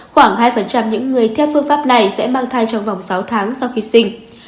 khoảng hai những người theo phương pháp này sẽ mang thai trong vòng sáu tháng sau khi sinh